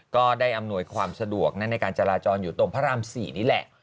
อำนวยความสะดวกในการจราจรอยู่ตรงพระราม๔นี่แหละ